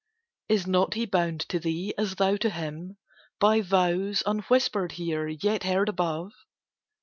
Is not he bound to thee, as thou to him, By vows, unwhispered here, yet heard above?